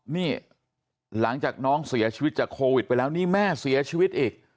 นี่หลังจากน้องเสียชีวิตจากโควิดไปแล้วนี่แม่เสียชีวิตอีก